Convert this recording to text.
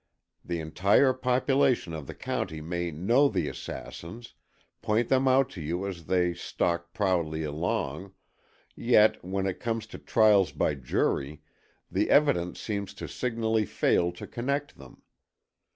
The entire population of the county may know the assassins, point them out to you as they stalk proudly along, yet, when it comes to trials by jury, the evidence seems to signally fail to connect them.